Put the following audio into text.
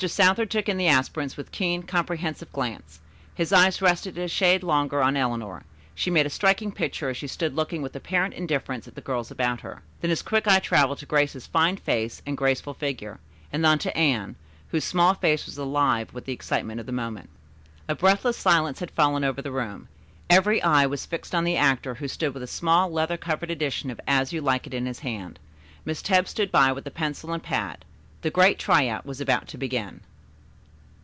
Southard took in the aspirants with keen, comprehensive glance. His eyes rested a shade longer on Eleanor. She made a striking picture as she stood looking with apparent indifference at the girls about her. Then his quick eye traveled to Grace's fine face and graceful figure, and then on to Anne, whose small face was alive with the excitement of the moment. A breathless silence had fallen over the room. Every eye was fixed on the actor, who stood with a small leather covered edition of "As You Like It" in his hand. Miss Tebbs stood by with a pencil and pad. The great try out was about to begin.